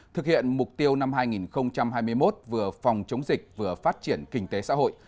thực hiện mục tiêu năm hai nghìn hai mươi một vừa phòng chống dịch vừa phát triển kinh tế xã hội